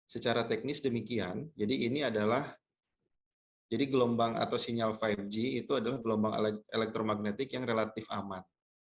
secara teknis demikian jadi ini adalah jadi gelombang atau sinyal lima g itu adalah gelombang elektromagnetik yang relatif aman